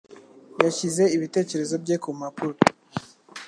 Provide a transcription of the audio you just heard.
Yashyize ibitekerezo bye ku mpapuro.